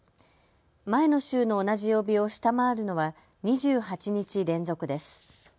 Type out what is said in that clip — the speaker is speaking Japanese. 前の週の同じ曜日を下回るのは２８日連続です。